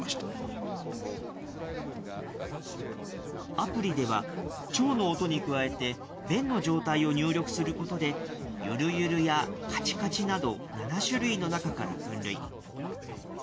アプリでは、腸の音に加えて、便の状態を入力することで、ユルユルやカチカチなど、７種類の中から分類。